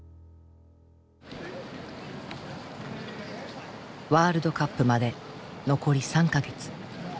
ワールドカップまで残り３か月。